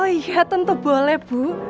oh iya tentu boleh bu